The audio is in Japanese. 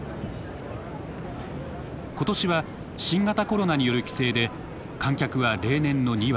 今年は新型コロナによる規制で観客は例年の２割。